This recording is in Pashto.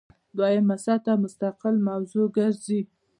دویمه سطح مستقل موضوع ګرځي.